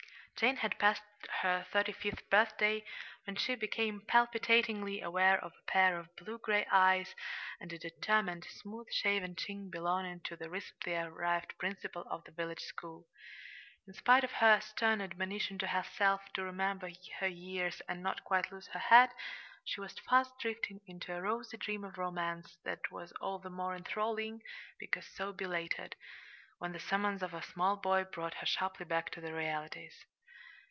Jane had passed her thirty fifth birthday, when she became palpitatingly aware of a pair of blue gray eyes, and a determined, smooth shaven chin belonging to the recently arrived principal of the village school. In spite of her stern admonition to herself to remember her years and not quite lose her head, she was fast drifting into a rosy dream of romance that was all the more enthralling because so belated, when the summons of a small boy brought her sharply back to the realities.